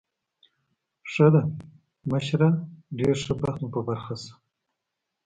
ښه ده، مشره، ډېر ښه بخت مو په برخه شه.